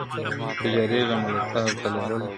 زه جارېږمه له تا او ته له بله,